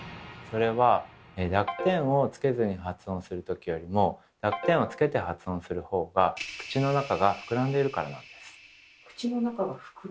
それは濁点をつけずに発音するときよりも濁点をつけて発音する方が口の中がふくらんでいるからなんです。